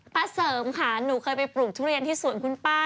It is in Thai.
เสริมค่ะหนูเคยไปปลูกทุเรียนที่สวนคุณป้า